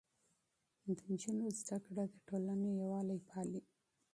د نجونو زده کړه د ټولنې يووالی پالي.